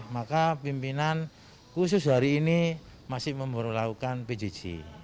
maka pimpinan khusus hari ini masih memperolohkan pjc